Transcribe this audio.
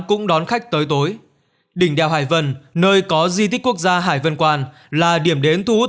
cũng đón khách tới tối đỉnh đèo hải vân nơi có di tích quốc gia hải vân quan là điểm đến thu hút